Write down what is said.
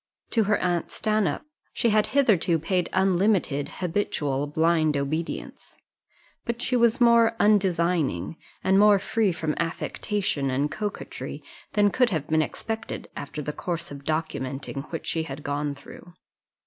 To her aunt Stanhope she had hitherto paid unlimited, habitual, blind obedience; but she was more undesigning, and more free from affectation and coquetry, than could have been expected, after the course of documenting which she had gone through.